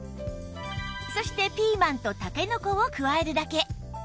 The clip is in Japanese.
そしてピーマンとタケノコを加えるだけ